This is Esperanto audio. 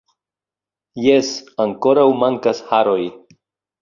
Jes, ankoraŭ mankas haroj